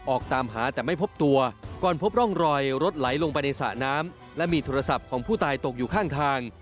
ออกตามหาแต่ไม่พบตัวก่อนพบร่องรอยรถไหลลงไปในสระน้ำและมีโทรศัพท์ของผู้ตายตกอยู่ข้างทาง